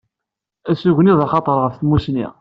Asugen i d axatar ɣef tmusni.